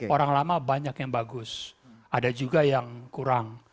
orang lama banyak yang bagus ada juga yang kurang